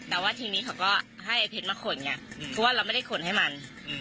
แต่ว่าทีนี้เขาก็ให้ไอ้เพชรมาขนไงเพราะว่าเราไม่ได้ขนให้มัน